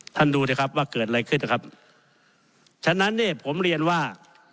ดูสิครับว่าเกิดอะไรขึ้นนะครับฉะนั้นเนี่ยผมเรียนว่า